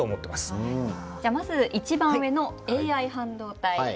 じゃあまず一番上のＡＩ半導体。